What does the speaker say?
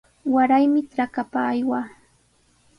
Waraymi trakapa aywaa.